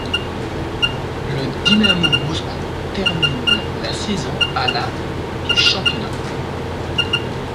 Le Dynamo Moscou termine la saison à la du championnat.